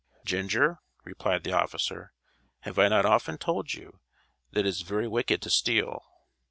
"Ginger," replied the officer, "have I not often told you that it is very wicked to steal?"